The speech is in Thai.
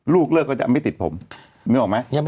ลูกเลิกก็จะไม่ติดผมนึกออกไหม